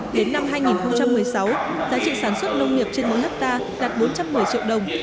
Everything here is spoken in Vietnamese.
đến năm hai nghìn một mươi sáu giá trị sản xuất nông nghiệp trên mỗi hectare đạt bốn trăm một mươi triệu đồng